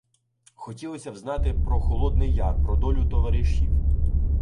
Хотілося взнати про Холодний Яр, про долю товаришів.